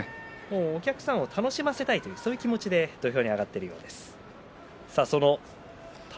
お客さんを楽しませたいという気持ちで土俵に上がっているということです。